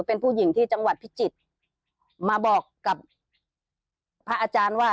เป็นผู้หญิงที่จังหวัดพิจิตรมาบอกกับพระอาจารย์ว่า